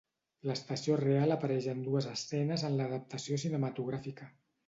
L'estació real apareix en les dues escenes en l'adaptació cinematogràfica.